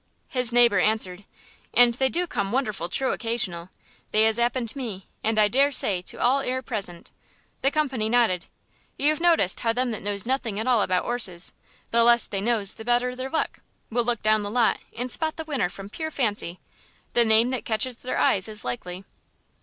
His neighbour answered, "And they do come wonderful true occasional. They 'as 'appened to me, and I daresay to all 'ere present." The company nodded. "You've noticed how them that knows nothing at all about 'orses the less they knows the better their luck will look down the lot and spot the winner from pure fancy the name that catches their eyes as likely."